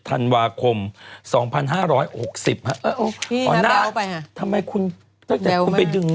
ธันวาคมสองพันห้าร้อยหกสิบฮะเอ้าอ๋อน่าทำไมคุณแล้วแต่คุณไปดึง